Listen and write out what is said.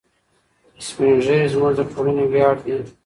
سپین ږیري زموږ د ټولنې ویاړ دي.